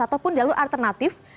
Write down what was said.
ataupun jalur alternatif